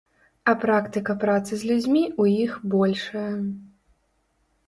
А практыка працы з людзьмі ў іх большая.